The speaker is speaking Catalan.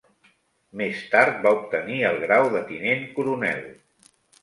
Més tard va obtenir el grau de tinent coronel.